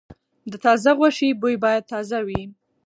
د تازه غوښې بوی باید تازه وي.